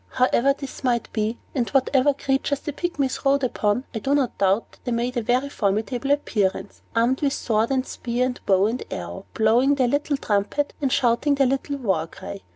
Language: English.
However this might be, and whatever creatures the Pygmies rode upon, I do not doubt that they made a formidable appearance, armed with sword and spear, and bow and arrow, blowing their tiny trumpet, and shouting their little war cry.